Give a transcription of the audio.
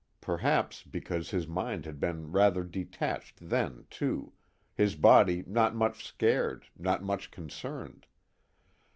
Perhaps because his mind had been rather detached then too, his body not much scared, not much concerned.